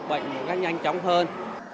phục bệnh sẽ nhanh chóng hơn